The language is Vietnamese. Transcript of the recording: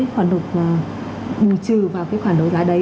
khoản đột mà bù trừ vào cái khoản đấu giá đấy